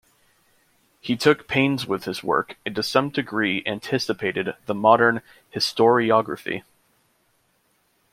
He took pains with his work, and to some degree anticipated the modern historiography.